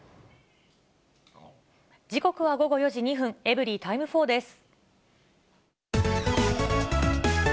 時刻は午後４時２分、エブリィタイム４です。